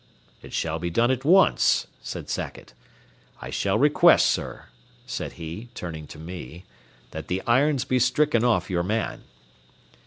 "It shall be done at once," said Sackett. "I shall request, sir," said he, turning to me, "that the irons be stricken off your man."